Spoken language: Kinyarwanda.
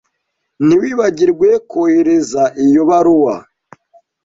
Ntiwibagirwe kohereza iyo baruwa.